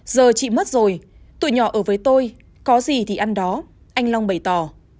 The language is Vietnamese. giờ chị mất rồi tuổi nhỏ ở với tôi có gì thì ăn đó anh long bày tỏ